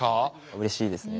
うれしいですね。